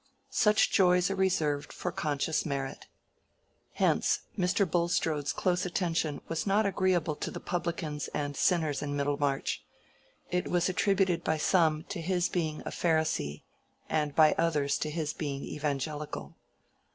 Such joys are reserved for conscious merit. Hence Mr. Bulstrode's close attention was not agreeable to the publicans and sinners in Middlemarch; it was attributed by some to his being a Pharisee, and by others to his being Evangelical.